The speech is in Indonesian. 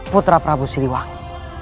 putra prabu siliwangi